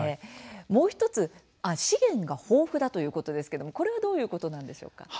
もう１つ、資源が豊富だということですけども、これはどういうことなんでしょうか？